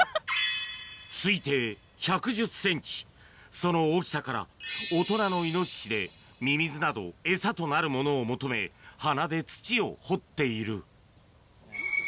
推定１１０センチ、その大きさから、大人のイノシシで、ミミズなど餌となるものを求め、鼻で土を掘っている。